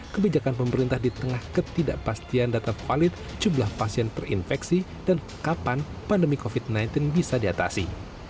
kebijakan pemerintah di tengah ketidakpastian data valid jumlah pasien terinfeksi dan kapan pandemi covid sembilan belas bisa diatasi